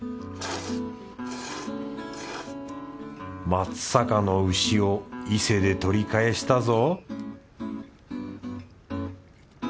松阪の牛を伊勢で取り返したぞ！